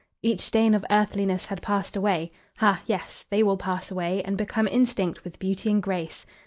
"'Each stain of earthliness had passed away.' Ha; yes. They will pass away, and become instinct with beauty and grace."